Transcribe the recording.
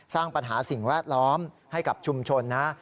สร้างปัญหาสิ่งแวดล้อมให้กับชุมชนนะ